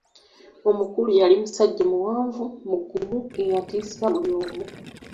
Omukulu yali musajja muwanvu, mugumu eyatiisa buli omu.